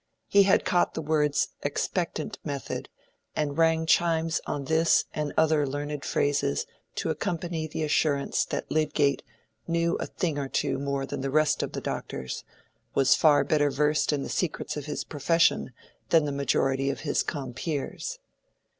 He had caught the words "expectant method," and rang chimes on this and other learned phrases to accompany the assurance that Lydgate "knew a thing or two more than the rest of the doctors—was far better versed in the secrets of his profession than the majority of his compeers."